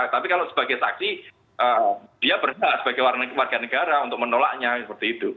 tapi kalau sebagai saksi dia berhak sebagai warga negara untuk menolaknya seperti itu